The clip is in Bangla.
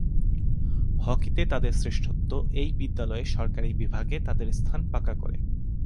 হকিতে তাদের শ্রেষ্ঠত্ব, এই বিদ্যালয়ের সরকারী বিভাগে তাদের স্থান পাকা করে।